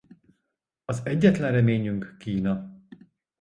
Az egyetlen reményünk Kína.